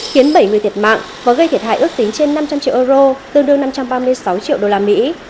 khiến bảy người thiệt mạng và gây thiệt hại ước tính trên năm trăm linh triệu euro tương đương năm trăm ba mươi sáu triệu đô la mỹ